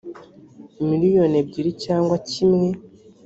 miliyoni ebyiri cyangwa kimwe